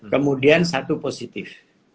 kemudian satu positif